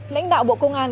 lãnh đạo bộ công an